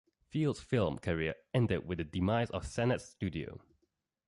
Field's film career ended with the demise of Sennett's studio.